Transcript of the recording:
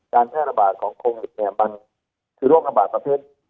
แพร่ระบาดของโควิดเนี่ยมันคือโรคระบาดประเภท